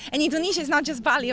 dan indonesia bukan hanya bali kan